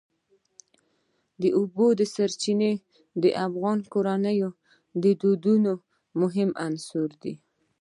د اوبو سرچینې د افغان کورنیو د دودونو مهم عنصر دی.